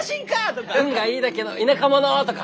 「運がいいだけの田舎者！」とか。